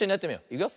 いくよ。